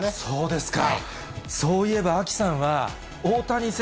そうですね。